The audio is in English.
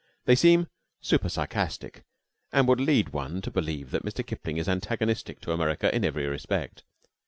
They seem super sarcastic, and would lead one to believe that Mr. Kipling is antagonistic to America in every respect.